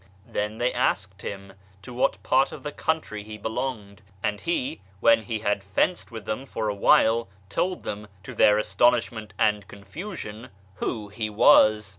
Then they asked him to what part of the country he belonged ; and he, when he had fenced with them for a while, told them, to their astonishment and confusion, who he was